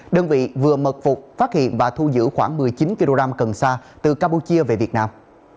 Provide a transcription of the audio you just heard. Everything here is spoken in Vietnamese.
đơn vị vừa mật phục phát hiện và thu giữ khoảng một mươi chín kg cần sa từ campuchia về việt nam